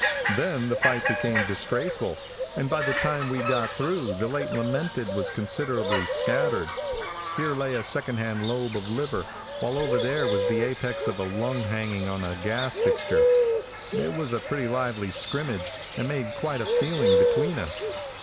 Then the fight became disgraceful, and by the time we got through, the late lamented was considerably scattered. Here lay a second hand lobe of liver, while over there was the apex of a lung hanging on a gas fixture. It was a pretty lively scrimmage, and made quite a feeling between us.